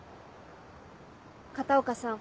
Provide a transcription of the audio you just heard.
片岡さん。